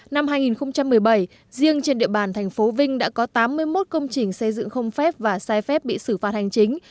năm hai nghìn một mươi bảy riêng trên địa bàn thành phố vinh đã có tám mươi một công trình xây dựng không phép và sai phép bị xử phạt hành chính